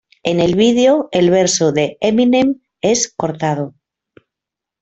En el video, el verso de Eminem es cortado.